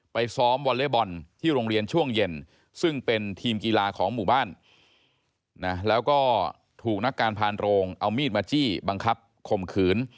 ซ้อมวอเล็บอลที่โรงเรียนช่วงเย็นซึ่งเป็นทีมกีฬาของหมู่บ้านนะแล้วก็ถูกนักการพานโรงเอามีดมาจี้บังคับข่มขืน